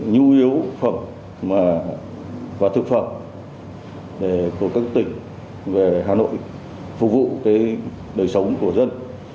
nhu yếu phẩm và thực phẩm của các tỉnh về hà nội phục vụ đời sống của dân